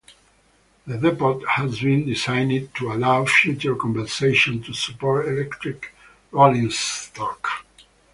The depot has been designed to allow future conversion to support electric rollingstock.